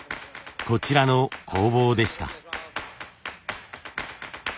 こちらの工房でした。